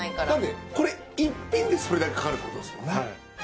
だってこれ１品でそれだけかかるってことですもんね。